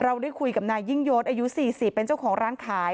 ได้คุยกับนายยิ่งยศอายุ๔๐เป็นเจ้าของร้านขาย